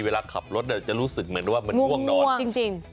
เวลาขับรถจะรู้สึกเหมือนผ่วงนอน